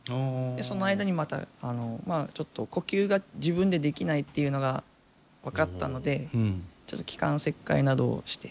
その間にまたまあちょっと呼吸が自分でできないっていうのが分かったのでちょっと気管切開などをして。